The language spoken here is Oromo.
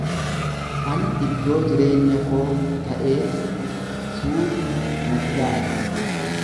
Ani iddoo jireenya koo ta'ee suuta nan ilaala.